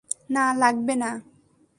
না, লাগবে না।